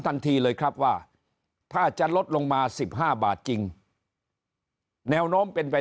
ทันทีเลยครับว่าถ้าจะลดลงมา๑๕บาทจริงแนวโน้มเป็นไป